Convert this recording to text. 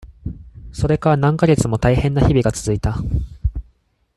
それから何ヶ月もたいへんな日々が続いた。